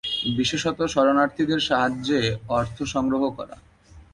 বিশেষত শরণার্থীদের সাহায্যে অর্থ সংগ্রহ করা।